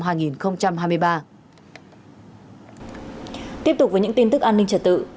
tiếp tục với những tin tức an ninh trật tự